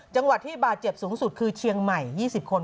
จังหวัดที่บาดเจ็บสูงสุดคือเชียงใหม่๒๐คน